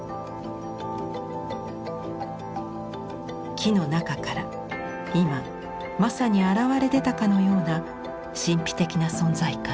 木の中から今まさに現れ出たかのような神秘的な存在感。